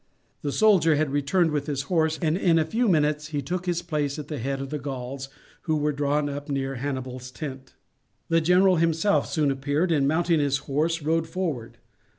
The soldier had returned with his horse, and in a few minutes he took his place at the head of the Gauls who were drawn up near Hannibal's tent. The general himself soon appeared, and mounting his horse rode forward.